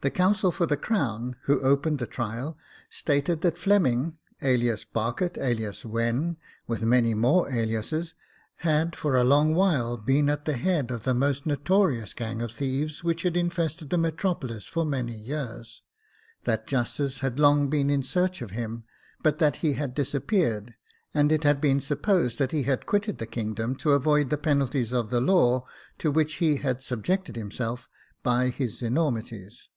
The counsel for the crown, who opened the trial, stated that Fleming, alias Barkett, alias Wenn, with many more aliases, had for a long while been at the head of the most notorious gang of thieves which had infested the metropolis for many years ; that justice had long been in search of him, but that he had disappeared, and it had been supposed that he had quitted the kingdom to avoid the penalties of the law, to which he had subjected himself by his enormities.